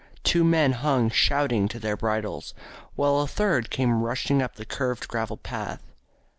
Two men hung shouting to their bridles, while a third came rushing up the curved gravel path.